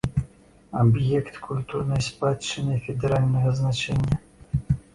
Аб'ект культурнай спадчыны федэральнага значэння.